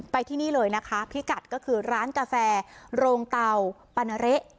ที่นี่เลยนะคะพิกัดก็คือร้านกาแฟโรงเตาปานาเละ